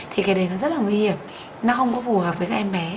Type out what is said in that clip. thì cái đấy nó rất là nguy hiểm nó không có phù hợp với các em bé